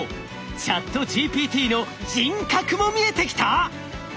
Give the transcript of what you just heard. ＣｈａｔＧＰＴの人格も見えてきた！？